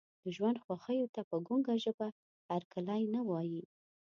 د ژوند خوښیو ته په ګونګه ژبه هرکلی نه وایي.